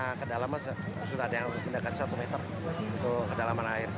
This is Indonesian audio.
karena kedalaman sudah ada yang dekat satu meter kedalaman air